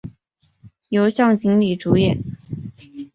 由向井理主演。